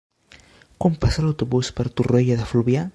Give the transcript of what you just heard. Quan passa l'autobús per Torroella de Fluvià?